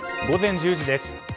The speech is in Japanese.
午前１０時です。